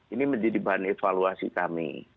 ini menjadi bahan evaluasi kami